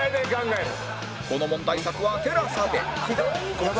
この問題作は ＴＥＬＡＳＡ で